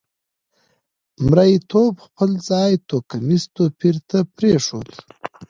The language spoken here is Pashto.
مریتوب خپل ځای توکمیز توپیر ته پرېښود.